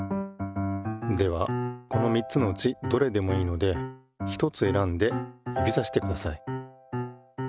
ではこの３つのうちどれでもいいのでひとつ選んで指さしてください。